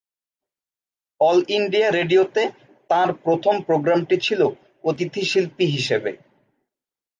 All India রেডিওতে তাঁর প্রথম প্রোগ্রামটি ছিল অতিথি শিল্পী হিসাবে।